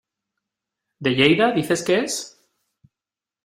¿De Lleida dices que es?